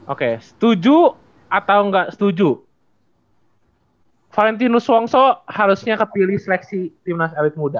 oke setuju atau nggak setuju valentinus wongso harusnya kepilih seleksi timnas elit muda